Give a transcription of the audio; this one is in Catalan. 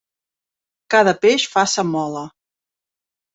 Cada peix fa sa mola.